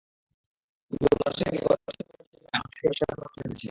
কিন্তু মানুষের জ্ঞান কচ্ছপের চেয়ে বেশি হওয়ায় মানুষ এটি আবিষ্কার করতে পেরেছে।